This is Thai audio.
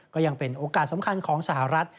ก็ยังเป็นโอกาสสำคัญของสหรัฐ